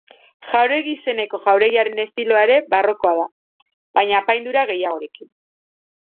Jauregi izeneko jauregiaren estiloa ere barrokoa da, baina apaindura gehiagorekin.